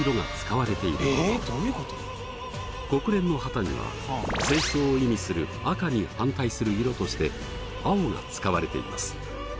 国連の旗には戦争を意味する赤に反対する色として青が使われています。